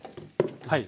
はい。